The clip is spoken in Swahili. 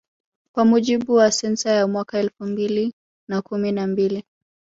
Kwa mujibu wa sensa ya mwaka elfu mbili na kumi na mbili